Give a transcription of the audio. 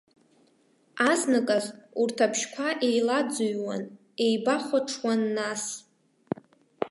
Азныказ урҭ абжьқәа еилаӡҩуан, еибахәаҽуан, нас.